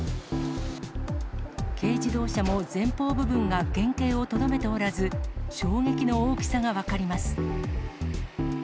軽自動車も前方部分が原形をとどめておらず、衝撃の大きさが分かります。